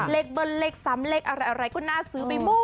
เลขเบินเลขซ้ำเลขอะไรก็น่าซื้อไปหมด